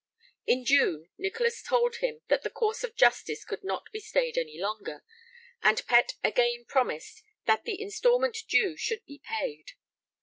In June Nicholas told him that the course of justice could not be stayed any longer, and Pett again promised that the instalment due should be paid.